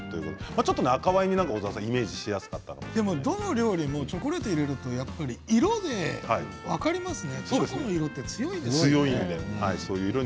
ちょっと赤ワイン煮イメージしやすかったんじゃどの料理もチョコレートを入れると色で分かりますね。